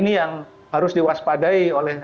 nah ini yang harus diwaspadai oleh risiko yang tinggi